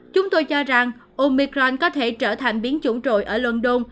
chúng tôi cho rằng omicron có thể trở thành biến chủng ở london